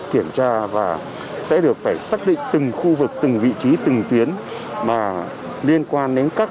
kiểm tra và sẽ được phải xác định từng khu vực từng vị trí từng tuyến mà liên quan đến các